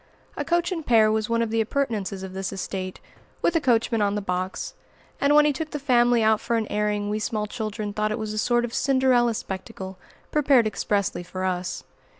A coach and pair was one of the appurtenances of this estate, with a coachman on the box; and when he took the family out for an airing we small children thought it was a sort of Cinderella spectacle, prepared expressly for us.